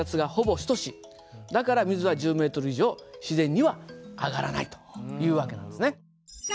だから水は１０ｍ以上自然には上がらないという訳なんですね。